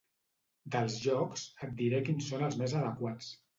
Dels jocs, et diré quins són els més adequats.